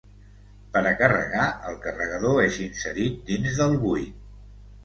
Per a carregar, el carregador és inserit dins del buit.